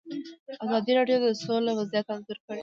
ازادي راډیو د سوله وضعیت انځور کړی.